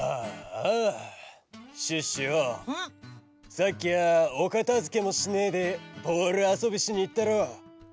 ・さっきはおかたづけもしねえでボールあそびしにいったろ！